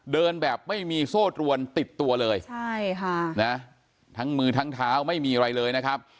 เดินแบบไม่มีโซ่ตรวนติดตัวเลยใช่ค่ะนะทั้งมือทั้งเท้าไม่มีอะไรเลยนะครับ